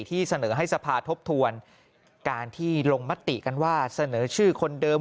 ที่เสนอให้สภาทบทวนการที่ลงมติกันว่าเสนอชื่อคนเดิม